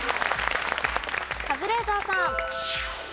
カズレーザーさん。